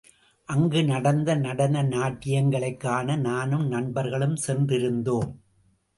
அங்கு நடந்த நடன நாட்டியங்களைக் காண நானும் நண்பர்களும் சென்றிருந்தோம்.